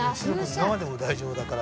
生でも大丈夫だから。